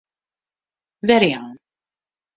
Werjaan.